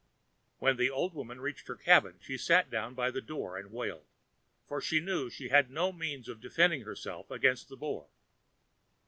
When the old woman reached her cabin she sat down by the door and wailed, for she knew she had no means of defending herself against the Boar.